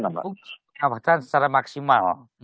untuk pengawasan secara maksimal